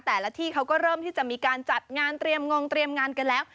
แต่ละที่เขาก็เริ่มที่จะมีการจัดงานเตรียมงงเตรียมงานกันแล้ว